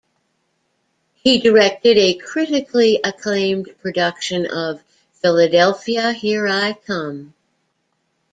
He directed a critically acclaimed production of "Philadelphia Here I Come!".